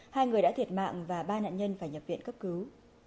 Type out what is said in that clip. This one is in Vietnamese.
hai người đã thiệt mạng và ba nạn nhân phải nhập viện cấp cứu